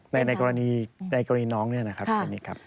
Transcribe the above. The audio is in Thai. ในกรณีน้องนี่นะครับ